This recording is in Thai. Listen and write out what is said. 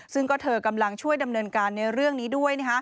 ซึ่งก็เธอกำลังช่วยดำเนินการในเรื่องนี้ด้วย